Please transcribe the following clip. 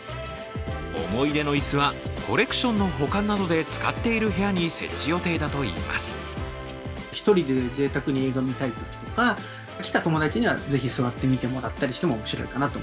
思いでの椅子はコレクションの保管などで使っている部屋に設置予定だといいます。